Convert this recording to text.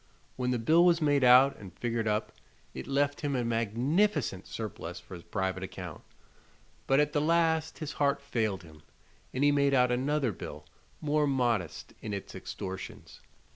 When the bill was made out and figured up it left him a magnificent surplus for his private account; but at the last his heart failed him, and he made out another bill more modest in its extortions.